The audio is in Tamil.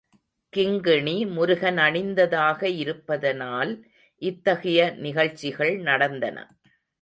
கிங்கிணி முருகன் அணிந்ததாக இருப்பதனால் இத்தகைய நிகழ்ச்சிகள் நடந்தன.